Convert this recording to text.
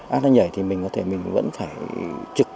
ăn nó nhảy thì mình có thể mình vẫn phải trực